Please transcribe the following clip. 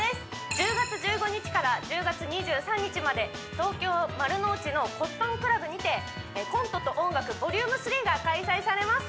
１０月１５日から１０月２３日まで東京丸の内のＣＯＴＴＯＮＣＬＵＢにてコントと音楽ｖｏｌ．３が開催されます